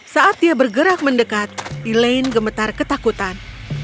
saat dia bergerak mendekat elaine gemetar ketakutan